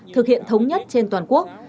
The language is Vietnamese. thực hiện thống nhất trên toàn quốc